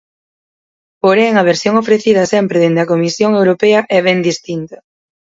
Porén, a versión ofrecida sempre dende a Comisión europea é ben distinta.